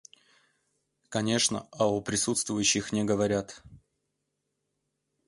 Конечно, о присутствующих не говорят.